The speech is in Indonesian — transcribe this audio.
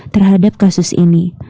terhadap kasus ini